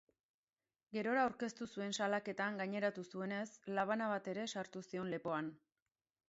Gerora aurkeztu zuen salaketan gaineratu zuenez, labana bat ere sartu zion lepoan.